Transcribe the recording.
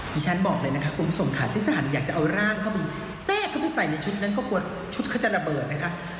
พี่ชั้นบอกเลยนะคต์คุณผู้ชมคนขาดขายาดอยากจะเอ้าร่างเข้ามีแบบงี้ถรายในชุดนะชุดก็จะระเบิดนะ